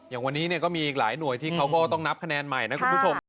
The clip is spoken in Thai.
อย่างวันนี้ก็มีอีกหลายหน่วยที่เขาก็ต้องนับคะแนนใหม่นะคุณผู้ชม